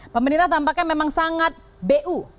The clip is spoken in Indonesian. pemerintah tampaknya memang sangat bu